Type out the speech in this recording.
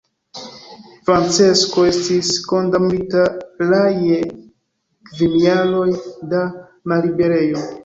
Francesco estis kondamnita la je kvin jaroj da malliberejo.